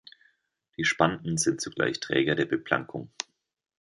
Die Spanten sind zugleich Träger der Beplankung.